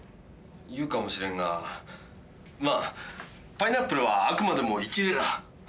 言うかもしれんがまあパイナップルはあくまでも一例だ。